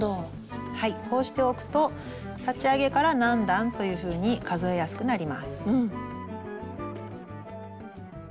こうしておくと立ち上げから何段というふうに数えやすくなります。